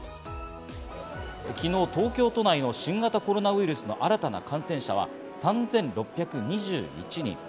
昨日、東京都内の新型コロナウイルスの新たな感染者は３６２１人。